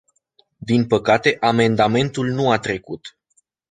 Din păcate, amendamentul nu a trecut.